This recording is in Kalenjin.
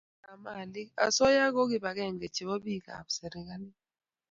asoya ko namet ab malik , asoya eng kibagenge chebo piik ak serikalit